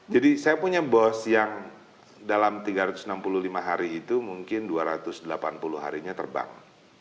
jadi saya punya bos yang dalam tiga ratus enam puluh lima hari itu mungkin dua ratus delapan puluh harinya terbang